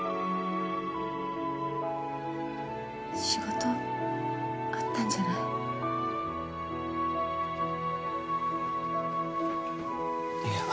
仕事あったんじゃない？